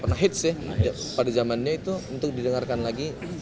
dan lagu sejada panjang karya bimbo